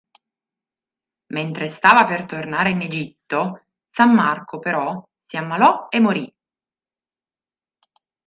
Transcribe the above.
Mentrte stava per tornare in Egitto Sammarco però si ammalò e morì.